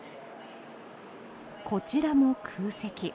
こちらも空席。